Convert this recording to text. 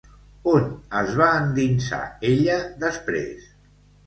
On es va endinsar ella després?